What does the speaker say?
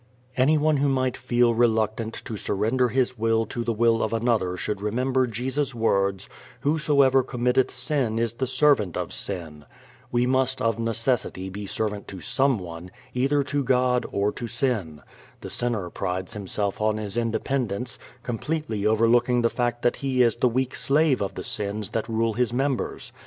Anyone who might feel reluctant to surrender his will to the will of another should remember Jesus' words, "Whosoever committeth sin is the servant of sin." We must of necessity be servant to someone, either to God or to sin. The sinner prides himself on his independence, completely overlooking the fact that he is the weak slave of the sins that rule his members.